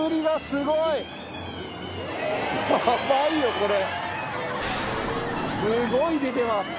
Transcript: すごい出てます。